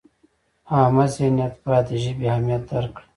عامه ذهنیت باید د ژبې اهمیت درک کړي.